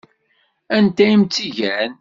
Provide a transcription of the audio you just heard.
Anta i m-tt-igan?